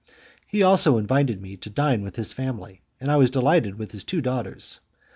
He also invited me to dine with his family, and I was delighted with his two daughters.